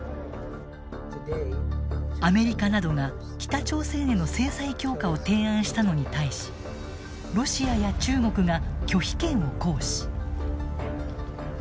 アメリカなどが北朝鮮への制裁強化を提案したのに対しロシアや中国が拒否権を行使。